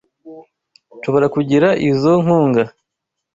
Nshobora kugira izoi nkunga?